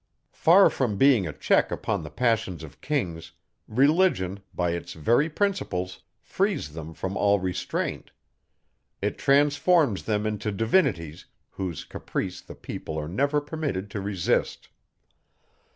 Far from being a check upon the passions of kings, Religion, by its very principles, frees them from all restraint. It transforms them into divinities, whose caprice the people are never permitted to resist.